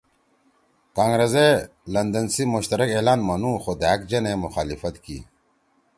کانگرس ئے لندن سی مشترک اعلان منُو خو دھأک جنَے مخالفت کی